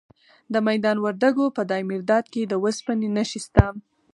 د میدان وردګو په دایمیرداد کې د وسپنې نښې شته.